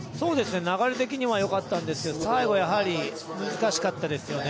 流れ的にはよかったんですけど、最後やはり難しかったですよね。